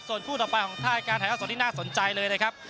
ส่วนคู่ต่อไปของท่ายการถ่ายทอดสดที่น่าสนใจเลยนะครับ